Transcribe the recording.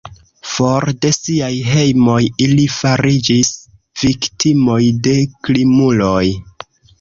For de siaj hejmoj ili fariĝis viktimoj de krimuloj.